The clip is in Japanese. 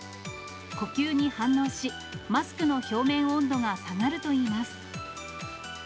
呼吸に反応し、マスクの表面温度が下がるといいます。